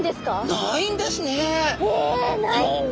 ないんだ！